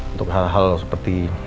untuk hal hal seperti